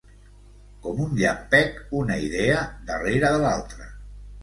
Com un llampec, una idea darrere de l'altra.